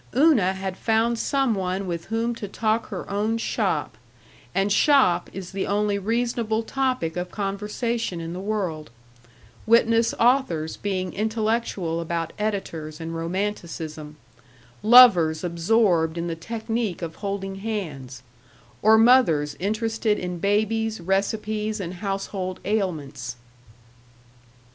Una had found some one with whom to talk her own shop and shop is the only reasonable topic of conversation in the world; witness authors being intellectual about editors and romanticism; lovers absorbed in the technique of holding hands; or mothers interested in babies, recipes, and household ailments.